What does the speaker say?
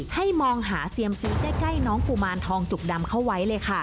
ให้มองหาเซียมซีสใกล้น้องกุมารทองจุกดำเข้าไว้เลยค่ะ